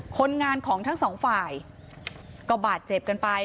คนงานของทั้งสองฝ่ายก็บาดเจ็บกันไป